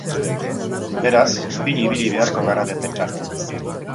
Beraz, fin ibili beharko gara defentsan.